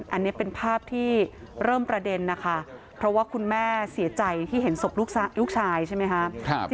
อันนี้เป็นภาพที่เริ่มประเด็นนะคะเพราะว่าคุณแม่เสียใจที่เห็นศพลูกชายใช่ไหมคะ